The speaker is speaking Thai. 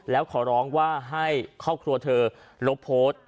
แล้วขอร้องว่าให้ครอบครัวเธอลบโพสต์